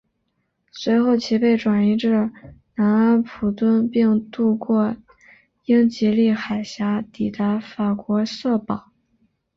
随后其被转移至南安普敦并渡过英吉利海峡抵达法国瑟堡。